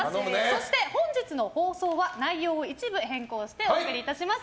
そして本日の放送は内容を一部変更してお送りいたします。